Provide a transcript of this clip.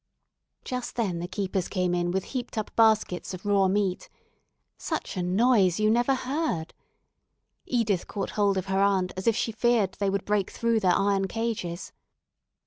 Just then the keepers came in with heaped up baskets of raw meat. Such a noise, you never heard. Edith caught hold of her aunt as if she feared they would break through their iron cages.